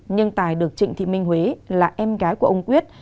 nhưng tài được trịnh thị minh huế là em gái của ông quyết